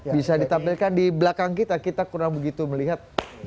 bisa ditampilkan di belakang kita kita kurang begitu melihat